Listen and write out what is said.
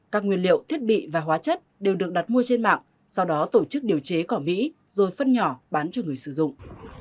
các nguyên liệu thiết bị và hóa chất đều được đặt mua trên mạng sau đó tổ chức điều chế cỏ mỹ rồi phân nhỏ bán cho người sử dụng